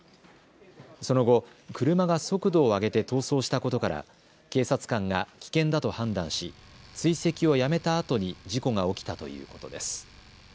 その後、車が速度を上げて逃走したことから警察官が危険だと判断し追跡をやめたあとに事故が起きたということです。